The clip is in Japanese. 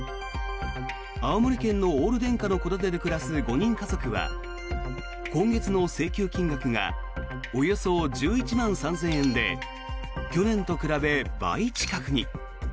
青森県のオール電化の戸建てで暮らす５人家族は今月の請求金額がおよそ１１万３０００円で去年と比べ、倍近くに。